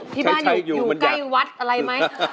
ที่บ้านอยู่ใกล้วัดอะไรไหม